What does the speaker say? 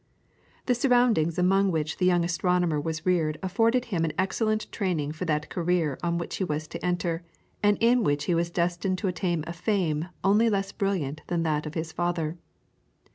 ] The surroundings among which the young astronomer was reared afforded him an excellent training for that career on which he was to enter, and in which he was destined to attain a fame only less brilliant than that of his father.